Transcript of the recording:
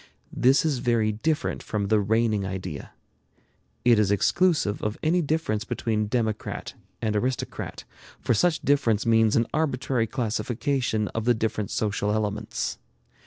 This is very different from the reigning idea. It is exclusive of any difference between democrat and aristocrat, for such difference means an arbitrary classification of the different social elements.